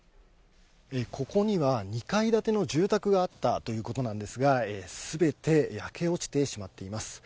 ここには２階建ての住宅があったということなんですが、全て焼け落ちてしまっています。